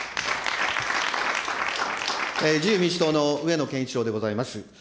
自由民主党の上野賢一郎でございます。